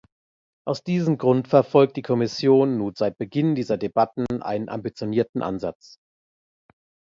Aus diesem Grund verfolgt die Kommission nun seit Beginn dieser Debatten einen ambitionierten Ansatz.